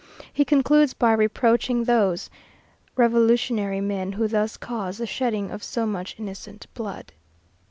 He concludes by reproaching those revolutionary men who thus cause the shedding of so much innocent blood.